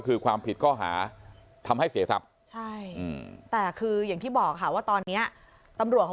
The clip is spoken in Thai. คือความผิดก็หาทำให้เสียทรัพย์ใช่แต่คืออย่างที่บอกค่ะว่าตอนนี้ตำรวจเขา